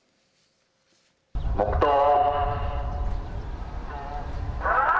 黙とう。